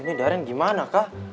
ini daren gimana kah